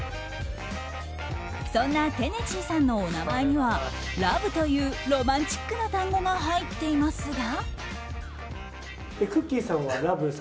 そんなテネシーさんのお名前には「ＬＯＶＥ」というロマンチックな単語が入っていますが。